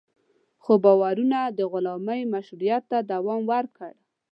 خو باورونه د غلامۍ مشروعیت ته دوام ورکړ.